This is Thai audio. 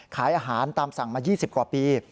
ขายอาหารตามสั่งมา๒๐กว่าปี